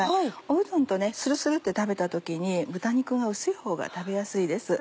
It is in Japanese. うどんとするするって食べた時に豚肉が薄いほうが食べやすいです。